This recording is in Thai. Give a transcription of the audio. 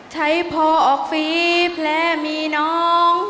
ใช้พลอะฟรีและมีน้อง